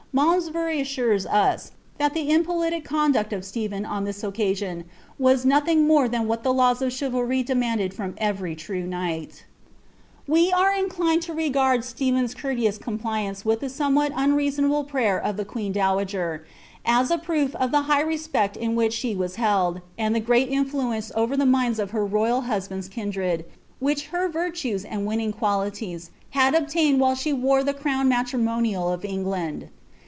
Malmsbury assures ui, that the impolitic conduct of Stephen on this occasion was nothing iDon than what the laws of chivaJrv demanded from every true knight We are inclined to regard Stephen's courteous compliance with tb Bomewhal unreasonable prayer of tlie queen dowager, as a proof of tin high respect in which she was held, and (he great influence over tin ininda of her royal husband's kindred, which Iter virtues and wiaaia| qualities had obtained while ahe wore the crown matriiuonial of Ei^ land.